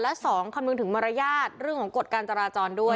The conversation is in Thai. และ๒คำนึงถึงมารยาทเรื่องของกฎการจราจรด้วย